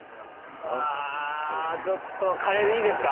ああちょっとカレーでいいですか？